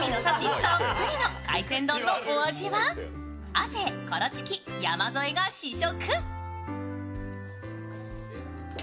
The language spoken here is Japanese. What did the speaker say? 亜生、コロチキ、山添が試食。